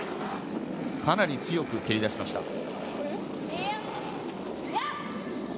かなり強く出しました。